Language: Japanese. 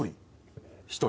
１人。